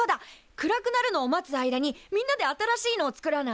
暗くなるのを待つ間にみんなで新しいのを作らない？